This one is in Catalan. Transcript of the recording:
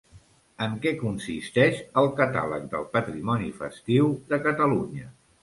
En què consisteix el Catàleg del Patrimoni Festiu de Catalunya?